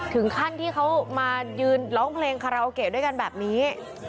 ถึงขั้นที่เขามายืนร้องเพลงคาราโอเกะด้วยกันแบบนี้